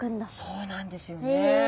そうなんですよね。